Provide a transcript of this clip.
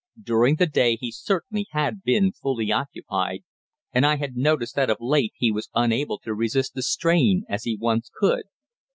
During the day he certainly had been fully occupied, and I had noticed that of late he was unable to resist the strain as he once could.